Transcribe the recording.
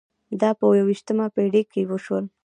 دا په یوویشتمه پېړۍ کې وشول.